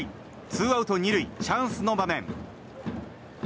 ツーアウト２塁チャンスの場面。